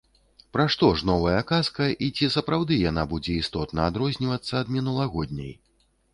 Пра што ж новая казка, і ці сапраўды яна будзе істотна адрознівацца ад мінулагодняй??